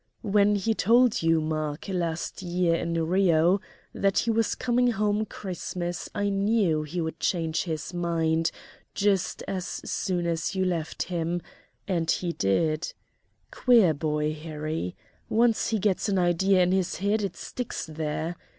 When he told you, Mark, last year in Rio that he was coming home Christmas I knew he'd change his mind just as soon as you left him, and he did. Queer boy, Harry. Once he gets an idea in his head it sticks there.